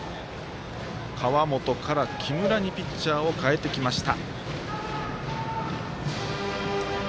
川本から木村にピッチャーを代えてきました。